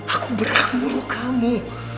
aku berang muruh kamu